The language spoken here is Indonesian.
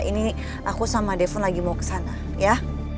ini aku sama devon lagi mau kesana ya